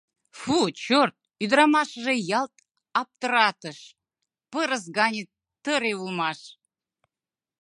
Фу, чёрт, ӱдырамашыже ялт аптыратыш: пырыс гане тыре улмаш!